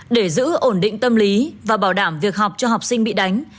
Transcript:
để giữ ổn định tâm lý và bảo đảm việc học cho học sinh bị đánh